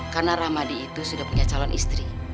karena ramadi itu sudah punya calon istri